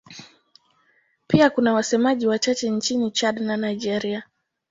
Pia kuna wasemaji wachache nchini Chad na Nigeria.